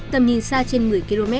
tầm nhìn xa trên một mươi km